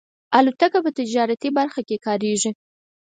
الوتکه په تجارتي برخه کې کارېږي.